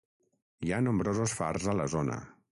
Hi ha nombrosos fars a la zona.